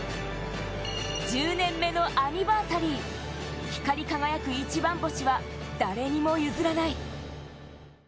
１０年目のアニバーサリー、光り輝く一番星は誰にも譲らない。